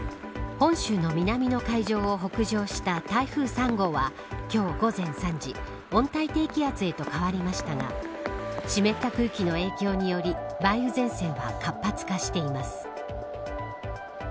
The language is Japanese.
本州の南の海上を北上した台風３号は今日、午前３時温帯低気圧へと変わりましたが湿った空気の影響により梅雨前線は活発化しています。